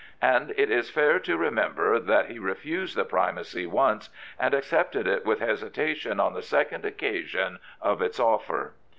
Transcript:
And it is fair to remember that he refused the Primacy once, and accepted it with hesitation on the second occasion of its offer.